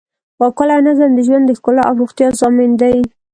پاکوالی او نظم د ژوند د ښکلا او روغتیا ضامن دی.